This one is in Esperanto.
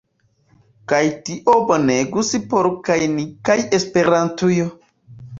Kaj tio bonegus por kaj ni kaj Esperantujo.